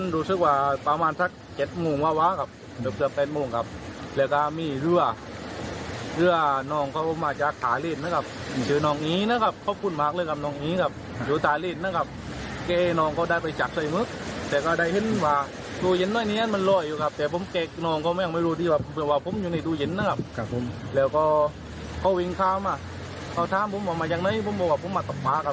เราก็เขาวิ่งข้ามยังไม่ให้พวกมาตำปา